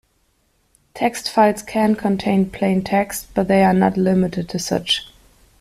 Text files can contain plain text, but they are not limited to such.